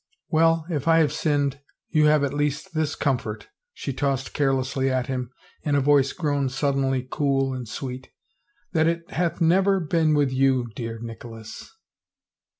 " Well, if I have sinned you have at least this com fort," she tossed carelessly at him in a voice grown sud denly cool and sweet, " that it hath never been with you, dear Nicholas."